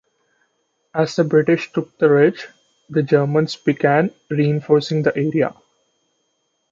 As the British took the ridge, the Germans began reinforcing the area.